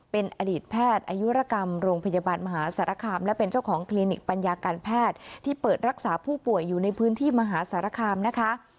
เป็นอดีตแพทย์อายุรกรรมโรงพยาบาลมหาสารคามและเป็นเจ้าของคลินิกปัญญาการแพทย์ที่เปิดรักษาผู้ป่วยอยู่ในพื้นที่มหาสารคามนะคะ